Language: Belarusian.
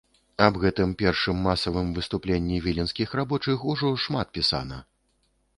Аб гэтым першым масавым выступленні віленскіх рабочых ужо шмат пісана.